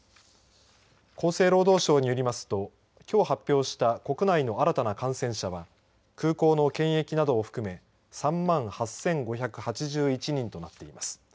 厚生労働省によりますときょう発表した国内の新たな感染者は空港の検疫などを含め３万８５８１人となっています。